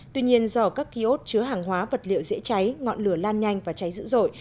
tuy nhiên do các kiosk chứa hàng hóa vật liệu dễ cháy ngọn lửa lan nhanh và cháy dữ dội